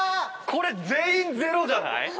これ全員ゼロじゃない？